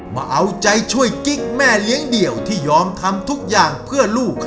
มาเอาใจช่วยกิ๊กแม่เลี้ยงเดี่ยวที่ยอมทำทุกอย่างเพื่อลูก